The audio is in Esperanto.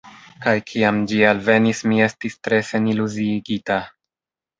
Kaj kiam ĝi alvenis, mi estis tre seniluziigita.